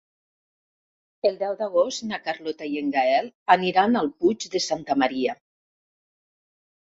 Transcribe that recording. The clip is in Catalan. El deu d'agost na Carlota i en Gaël aniran al Puig de Santa Maria.